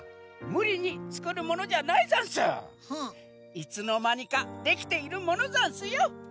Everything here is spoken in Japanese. いつのまにかできているものざんすよ！